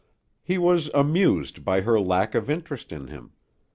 He was amused by her lack of interest in him.